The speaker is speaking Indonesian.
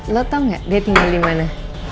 lo tau gak dia tinggal dimana